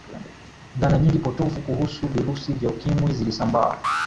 dhana nyingi potovu kuhusu virusi vya ukimwi zilisambaa